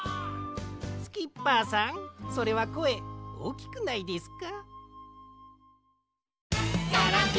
スキッパーさんそれはこえおおきくないですか？